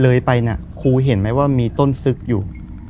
เลยไปน่ะครูเห็นไหมว่ามีต้นซึกอยู่